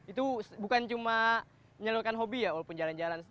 itu bukan cuma menyalurkan hobi ya walaupun jalan jalan